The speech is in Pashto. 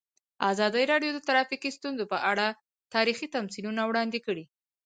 ازادي راډیو د ټرافیکي ستونزې په اړه تاریخي تمثیلونه وړاندې کړي.